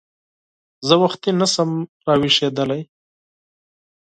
زه وختي نه شم راویښېدلی !